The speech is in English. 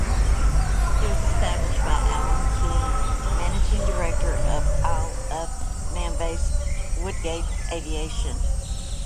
It was established by Allan Keen, managing director of Isle of Man-based Woodgate Aviation.